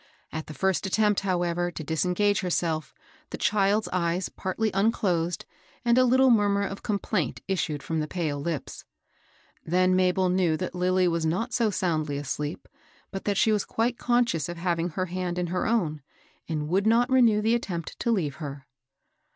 At the first attempt, however, to cBsengage herself, the child's eyes partly unclosed, and a little murmur of complaint issued firom the pale lips. Then Mabel knew that Lilly was not so soundly sleeping, but that she was quite conscious of having her hand in her own, and would not re«* new the attempt to leave her.